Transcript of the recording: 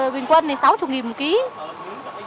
bình quân thì sáu mươi một kg